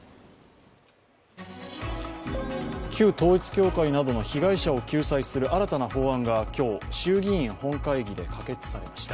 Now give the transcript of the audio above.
旧統一教会などの被害者を救済する新たな法案が今日、衆議院本会議で可決されました。